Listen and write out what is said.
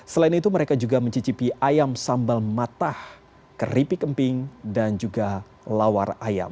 selain itu mereka juga mencicipi ayam sambal matah keripik emping dan juga lawar ayam